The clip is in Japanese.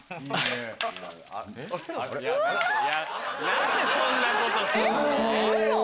何でそんなことすんの？